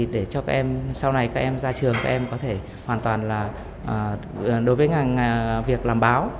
để cho các em sau này ra trường có thể hoàn toàn là đối với việc làm báo